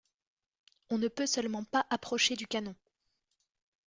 On ne peut seulement pas approcher du canon!